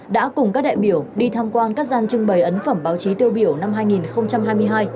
đã cùng các đại biểu đi tham quan các gian trưng bày ấn phẩm báo chí tiêu biểu năm hai nghìn hai mươi hai